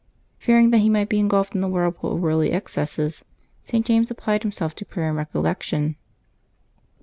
Fearing that he might be ingulfed in the whirlpool of world excesses, St. James applied himself to prayer and recollection.